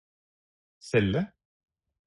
celle